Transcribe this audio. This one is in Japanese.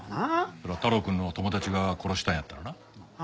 そりゃ太郎くんの友達が殺したんやったらな。